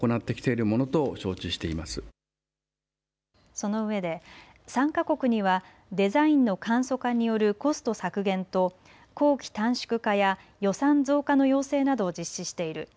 そのうえで参加国にはデザインの簡素化によるコスト削減と工期短縮化や予算増加の要請などを実施している。